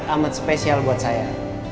amat spesial buat saya